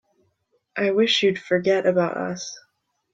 I wish you'd forget about us.